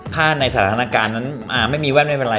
ถ้าในสถานการณ์นั้นไม่มีแว่นไม่เป็นไร